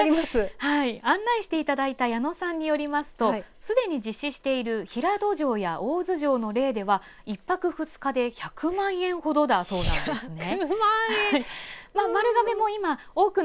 案内していただいた矢野さんによりますとすでに実施している平戸城や大洲城の例では１泊２日で１００万円ほどだそうなんですね。